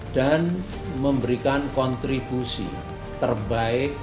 dan memberikan kontribusi terbaik